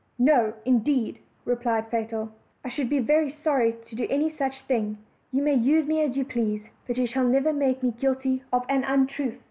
"No, indeed," replied Fatal; "I should be very sorry to do any such thing; you may use me as you please, but you shall never make me be guilty of an untruth."